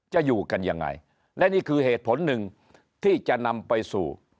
จะอยู่กันยังไงและนี่คือเหตุผลหนึ่งที่จะนำไปสู่